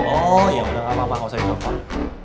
oh yaudah gak apa apa gak usah dicopot